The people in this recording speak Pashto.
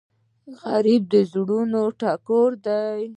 غریب د زړونو ټکور دی